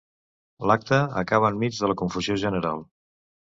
L’acte acaba enmig de la confusió general.